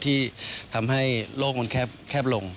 ที่ทำให้โลกมันแคบลง